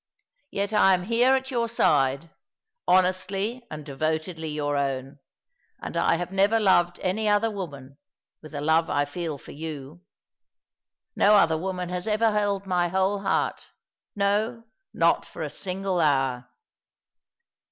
Yet I am here at your side, honestly and devotedly your own ; and I have never loved any other W'Oman with the love I feel for you. No other woman has ever held my whole heart ; no, not for a single hour."